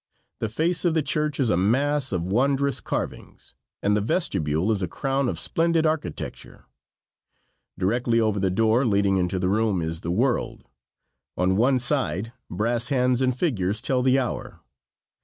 The face of the church is a mass of wondrous carvings, and the vestibule is a crown of splendid architecture. Directly over the door leading into the room is the "World." On one side brass hands and figures tell the hour.